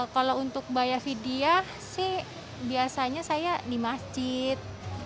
kalau untuk bayar vidyah sih biasanya saya di masjid